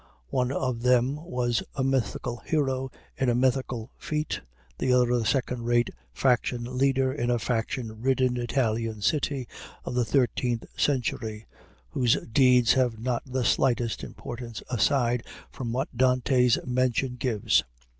One of them was a mythical hero in a mythical feat, the other a second rate faction leader in a faction ridden Italian city of the thirteenth century, whose deeds have not the slightest importance aside from what Dante's mention gives.